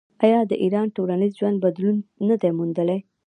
آیا د ایران ټولنیز ژوند بدلون نه دی موندلی؟